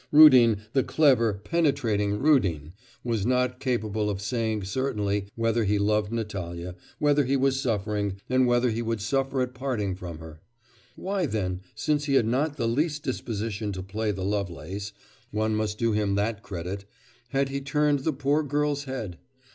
Rudin, the clever, penetrating Rudin, was not capable of saying certainly whether he loved Natalya, whether he was suffering, and whether he would suffer at parting from her. Why then, since he had not the least disposition to play the Lovelace one must do him that credit had he turned the poor girl's head?